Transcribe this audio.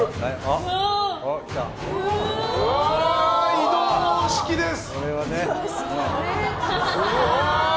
移動式です！